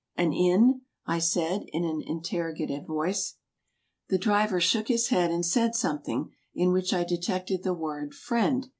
*' An inn ?" I said, in an interrogative tone. The driver shook his head and said something, in which I detected the word "friend."